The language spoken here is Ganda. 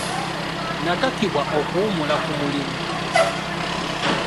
Nakakibwa okuwummula ku mulimu.